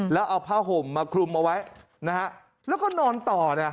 แล้วเอาผ้าห่มมาคลุมเอาไว้แล้วก็นอนต่อ